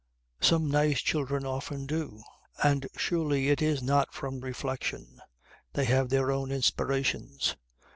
Some nice children often do; and surely it is not from reflection. They have their own inspirations.